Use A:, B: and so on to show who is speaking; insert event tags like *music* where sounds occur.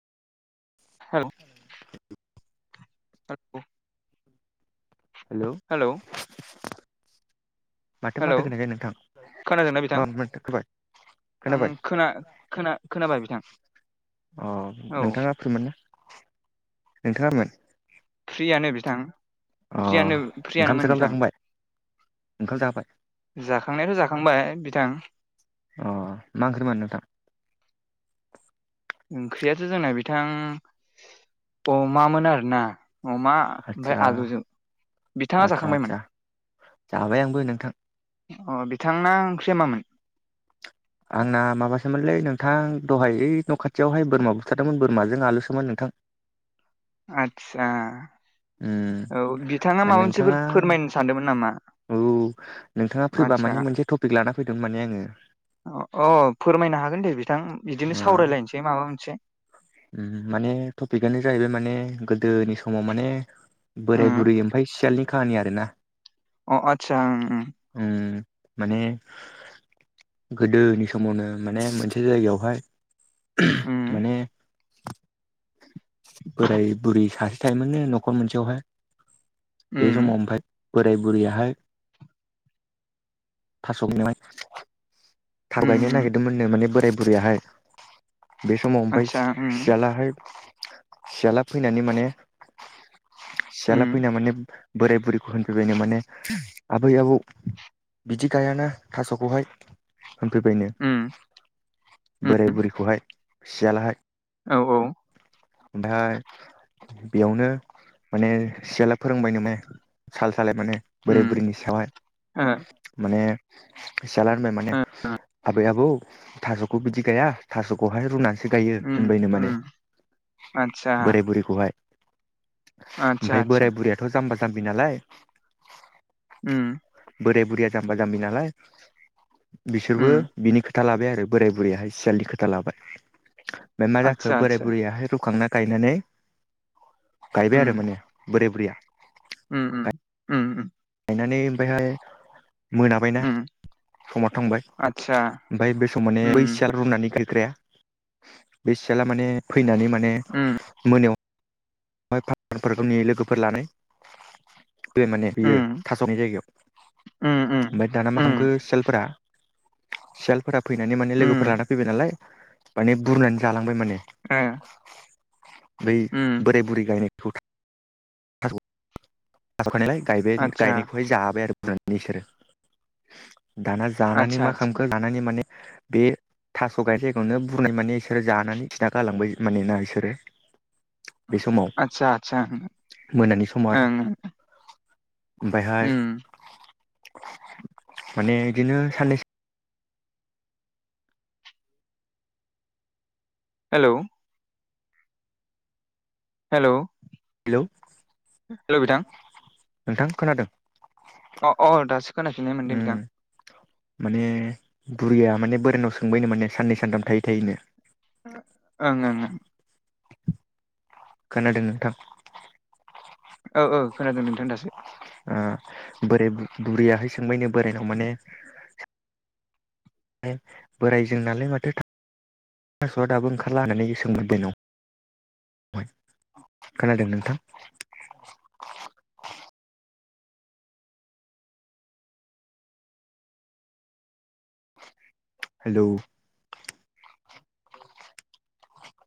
A: Hello. *unintelligible*
B: Hello. माथो
A: hello
B: माथो खोनायाखै नोंथां।
A: खोनादोंना बिथां
B: अ नोंथां खोनाबाय।
A: आं
B: खोनाबाय
A: खोना खोना खोनाबाय बिथां।
B: अ
A: औ
B: नोंथाङा फ्रिमोनना नोंथाङामोन।
A: फ्रियानो बिथां फ्रियानो
B: ओंखाम
A: फ्रियानोमोन
B: सोखाम
A: बिथां।
B: जाखांबाय ओंखाम जाखाबाय
A: जाखांनायाबो जाखांबाय बिथां।
B: अ मा ओंख्रिमोन नोंथां?
A: ओंख्रियाथ' जोंना बिथां अमामोन आरोना। अमा ओमफ्राय
B: आदसा
A: आलुजों बिथाङा
B: आदसा आदसा
A: जाखांबायमोन।
B: जाबाय आंबो नोंथां।
A: अ बिथांना ओंख्रिया मामोन?
B: आंना माबासोमोनलै नोंथां दहाय ओइ न' खाथियावहाय बोरमा बुथारदोंमोन बोरमाजों आलुसोमोन नोंथां।
A: आत्सा
B: उम
A: औ बिथाङा माबा मोनसेफोर
B: नोंथाङा
A: फोरमायनो सानदोंमोन नामा?
B: औ नोंथाङा फैबा
A: आदसा
B: माने मोनसे टपिक लाना फैदोंमोन माने आङो
A: अ फोरमायनो हागोन दे बिथां बिदिनो सावरायलायनोसै माबा मोनसे।
B: ओम माने टपिकआनो जाहैबाय माने गोदोनि समाव माने बोराय
A: उम
B: बुरै ओमफ्राय सियालनि खाहानि आरोना।
A: अ आत्सा ओम ओम।
B: उम माने गोदोनि समावनो माने मोनसे जायगायावहाय *unintelligible*
A: ओम
B: माने बोराय बुरै सासे थायोमोननो न'खर मोनसेयावहाय बे
A: ओम
B: समाव आमफाय बोराय बुरैयाहाय थास'नो थाब गायनो
A: ओम
B: नागिरदोंमोननो माने बोराय बुरैयाहाय बे समाव ओमफफ्राय
A: आतसा उम
B: सियालाहाय सियाला फैनानै माने सियाला
A: उम
B: फैना माने बोराय बुरैखौ होनफैबायनो माने आबै आबौ बिदि गायाना थास'खौहाय होनफैबायनो
A: उम
B: बोराय बुरैखौहाय सियालाहाय
A: औ औ
B: ओमफ्राय बेयावनो माने सियाला फोरोंबाय माने साल सालाय माने बोराय
A: उम
B: बुरैनि सायावहाय
A: ओ
B: माने सियाल होनबाय माने
A: ओ
B: आबै आबौ थास'खौ बिदि गैया थास'खौहाय रुनानै सो गायो
A: उम
B: होनबायनो
A: उम
B: माने
A: आतसा आतसा
B: ओमफफ्राय
A: आतसा
B: बोराय बुरैयाथ' जाम्बा जाम्बि नालाय
A: ओम
B: बोराय बुरिया जाम्बा जाम्बि नालाय बिसोरबो
A: उम
B: बिनि खो था लाबाय आरो बोराय बुरैयाहाय सियालनि खोथा लाबाय ओमफ्राय मा जाखो
A: आतसा
B: बोराय बुर
A: आतसा
B: रुखांना गायनानै गायबाय
A: उम
B: आरो माने बोराय बुरैया
A: उम उम उम उम
B: गायनानै ओमफ्रायहाय मोनाबायना
A: उम
B: समा थांबाय
A: आतसा
B: ओमफ्राय बे सम माने
A: उम
B: बै सियाला रुनानै ग्राया बै सियाला माने फैनानै माने
A: उम
B: मोनायाव *unintelligible* लोगोफोर लानाय बे माने बियो
A: उम
B: थास'नि
A: उम
B: जायगायाव ओमफ्राय दाना मा खालामखो
A: उम
B: सियालफोरा सियालफोरा फैनानै माने लोगोफोरा
A: उम
B: लाना फैबाय नालाय माने बुरनानै जालांबाय माने
A: ए
B: बै बोराय बुरै गायनायखौ थास'खायनायलाय गायबाय
A: आतसा
B: गायनायखौहाय जाबाय आरो बुरनानै बिसोरो दाना जानानै
A: आतसा
B: मा
A: आतसा
B: खालामखो लानानै माने बे थास' गायनाय जायगायावनो बुरनाय माने बिसोरो जानानै खिना गालांबाय मानोना बिसोरो बे समाव
A: आतसा आतसा
B: मोनानि समाव आरो
A: ओं ओं
B: ओमफ्रायहाय
A: उम
B: माने बिदिनो साननैसो
A: हेलौ हेल'
B: हेलौ
A: हेल' बिथां
B: नोंथां खोनादों
A: अ औ दासो खोनाफिननाय मोनदों
B: उम
A: नदां
B: माने बुरिया माने बोरायानाव सोंबायनो माने साननै सानथाम थायै थायोनो
A: ओं ओं ओं
B: खोनादों नोंथां
A: औ औ खोनादों नोंथां दासो
B: बोराय बुरैयाहै सोंबायनो बोरायनाव माने बोरायजों नालाय माथो थ स'आ दाबो ओंखारला होननानै सोंबोदों न खोनादोंं नोंथां हेलौ